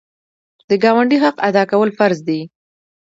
د ګاونډي حق ادا کول فرض دي.